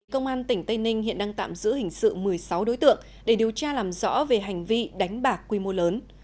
công an tỉnh tây ninh hiện đang tạm giữ hình sự một mươi sáu đối tượng để điều tra làm rõ về hành vi đánh bạc quy mô lớn